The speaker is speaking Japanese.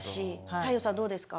太陽さんどうですか？